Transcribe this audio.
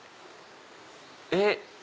えっ？